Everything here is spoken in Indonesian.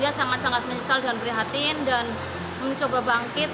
dia sangat sangat menyesal dan berhati hati dan mencoba banget